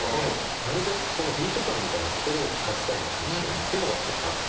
なるべくビート感みたいなところを聴かせたいなこのシーンはっていうのがちょっとあって。